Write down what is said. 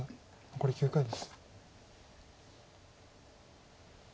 残り９回です。